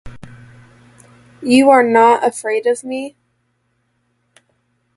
You are not afraid of me?